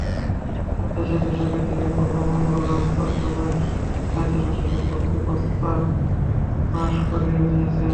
পঞ্চাশের দশকে তিনি পূর্ববঙ্গ ব্যবস্থাপক সভায় স্বায়ত্তশাসনের পক্ষে প্রস্তাব পাস করিয়ে নিয়েছেন।